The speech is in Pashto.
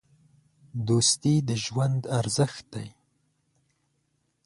دوستي د ژوند ارزښت دی.